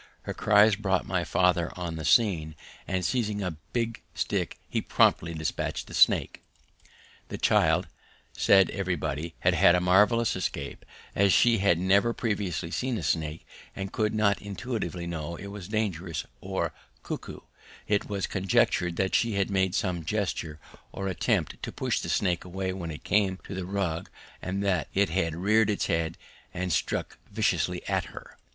Her cries brought my father on the scene, and seizing a big stick he promptly dispatched the snake. The child, said everybody, had had a marvellous escape, and as she had never previously seen a snake and could not intuitively know it as dangerous, or ku ku, it was conjectured that she had made some gesture or attempted to push the snake away when it came on to the rug, and that it had reared its head and struck viciously at her.